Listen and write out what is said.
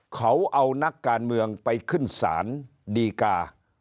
เขาเอานักการเมืองไปขึ้นศาลดีกา